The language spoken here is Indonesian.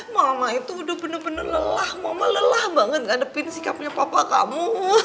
mama itu udah bener bener lelah mama lelah banget ngadepin sikapnya papa kamu